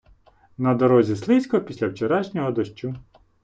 На дорозі слизько після вчорашнього дощу.